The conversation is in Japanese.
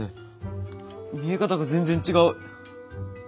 見え方が全然違う。